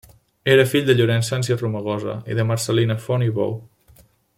Era fill de Llorenç Sans i Romagosa i de Marcel·lina Font i Bou.